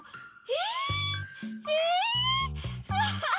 え？